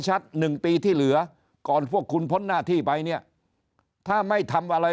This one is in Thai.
หนึ่งปีที่เหลือก่อนพวกคุณพ้นหน้าที่ไปเนี่ยถ้าไม่ทำอะไร